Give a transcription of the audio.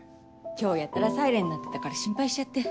今日やたらサイレン鳴ってたから心配しちゃって。